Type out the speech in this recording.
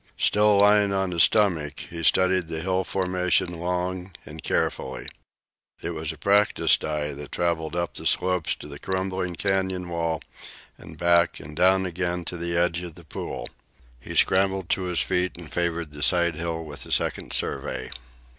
Still lying on his stomach, he studied the hill formation long and carefully. It was a practised eye that traveled up the slope to the crumbling canyon wall and back and down again to the edge of the pool. He scrambled to his feet and favored the side hill with a second survey.